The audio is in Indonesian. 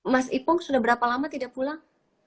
mas ipong sudah berapa lama tidak pulang